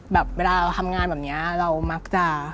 แบบเวลาเราทำงานแบบนี้เรามักจะ